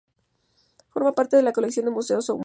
Forma parte de la colección del Museo Soumaya.